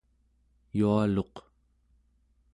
yualuq